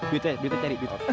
duit ya duitnya cari